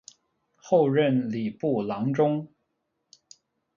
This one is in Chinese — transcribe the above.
后任礼部郎中。